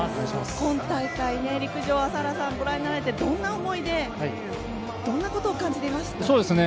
今大会、陸上を朝原さん、ご覧になられてどんな思いでどんなことを感じていましたか。